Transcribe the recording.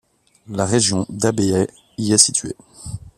La région d'Abyei y est située.